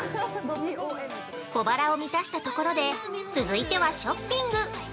◆小腹を満たしたところで続いては、ショピング。